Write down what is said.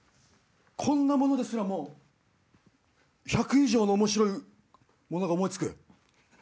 こんなものですらも１００以上のおもしろいものが思い付く。